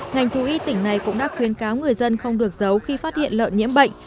ngành thú y tỉnh này cũng đã khuyến cáo người dân không được giấu khi phát hiện lợn nhiễm bệnh